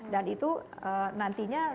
dan itu nantinya